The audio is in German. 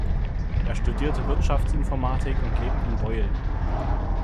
Er studierte Wirtschaftsinformatik und lebt in Beuel.